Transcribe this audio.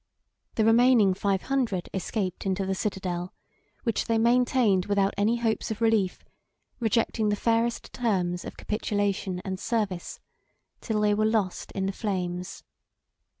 The remaining five hundred escaped into the citadel, which they maintained without any hopes of relief, rejecting the fairest terms of capitulation and service, till they were lost in the flames.